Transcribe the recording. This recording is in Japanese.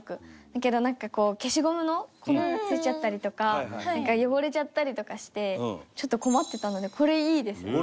だけどなんかこう消しゴムの粉が付いちゃったりとかなんか汚れちゃったりとかしてちょっと困ってたのでこれいいですね。